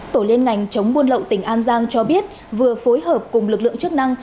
tổ liên ngành chống buôn lậu tỉnh an giang cho biết vừa phối hợp cùng lực lượng chức năng